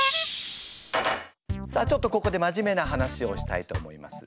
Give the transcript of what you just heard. さあちょっとここで真面目な話をしたいと思います。